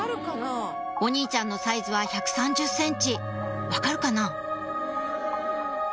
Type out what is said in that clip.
お兄ちゃんのサイズは１３０ｃｍ分かるかな？